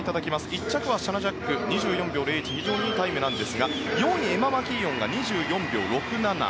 １着はシャナ・ジャック２４秒０１で非常にいいタイムなんですが４位、エマ・マキーオンが２４秒６７。